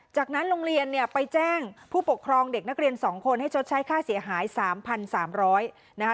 จากนั้นโรงเรียนเนี่ยไปแจ้งผู้ปกครองเด็กนักเรียน๒คนให้ชดใช้ค่าเสียหาย๓๓๐๐นะคะ